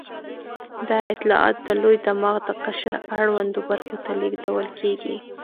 دا اطلاعات د لوی دماغ د قشر اړوندو برخو ته لېږدول کېږي.